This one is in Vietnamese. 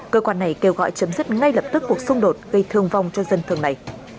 cơ quan này kêu gọi chấm dứt ngay lập tức cuộc xung đột gây thương vong cho dân thường này